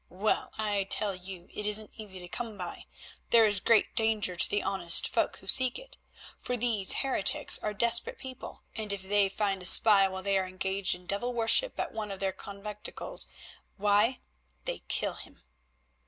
Well, I tell you, it isn't easy to come by; there is great danger to the honest folk who seek it, for these heretics are desperate people, and if they find a spy while they are engaged in devil worship at one of their conventicles, why—they kill him."